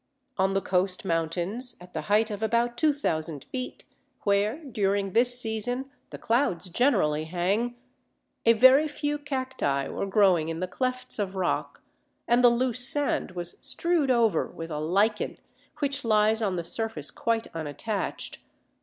On the coast mountains, at the height of about 2000 feet, where, during this season, the clouds generally hang, a very few cacti were growing in the clefts of rock; and the loose sand was strewed over with a lichen which lies on the surface quite unattached.